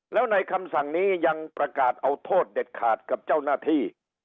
แล้วในคำสั่งนี้ยังประกาศเอาโทษเด็ดขาดกับเจ้าหน้าที่